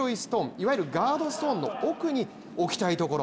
いわゆるガードストーンの奥に置きたいところ。